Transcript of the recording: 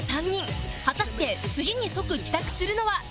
果たして次に即帰宅するのは？